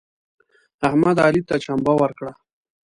احمد علي ته چمبه ورکړه.